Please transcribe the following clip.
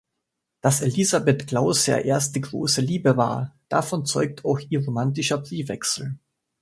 Dass Elisabeth Glausers erste grosse Liebe war, davon zeugt auch ihr romantischer Briefwechsel.